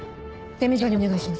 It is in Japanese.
手短にお願いします。